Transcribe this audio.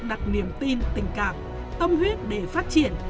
đặt niềm tin tình cảm tâm huyết để phát triển